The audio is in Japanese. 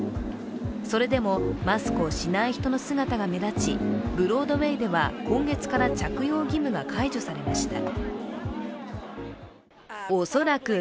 それでもマスクをしない人の姿が目立ち、ブロードウェイでは今月から着用義務が解除されました。